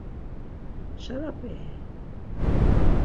Şarap̌i-i?